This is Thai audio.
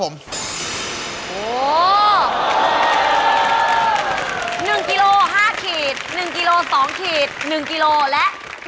หมายเลข๒หมวกคาวบอย